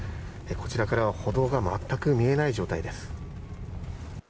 こちらからは歩道が全く見えない状況です。